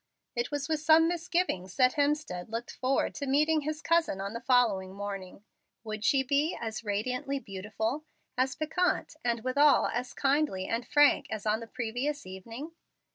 It was with some misgivings that Hemstead looked forward to meeting his "cousin," on the following morning. Would she be as radiantly beautiful, as piquant, and withal as kindly and frank as on the previous evening?